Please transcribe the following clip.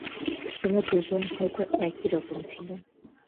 তোমরা দুজন হয়তো একই রকম ছিলে।